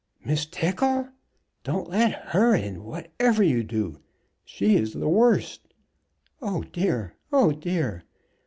"Miss Tickle! Don't let her in, whatever you do. She is the worst. Oh dear! oh dear!